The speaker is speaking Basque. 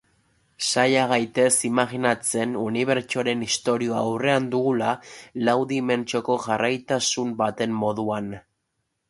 Saia gaitezen imajinatzen unibertsoaren historia aurrean dugula, lau dimentsioko jarraitutasun baten moduan.